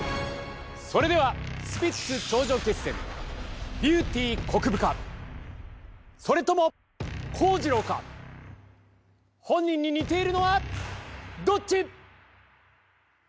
それではスピッツ頂上決戦ビューティーこくぶかそれともこうじろうか本人に似ているのはどっち！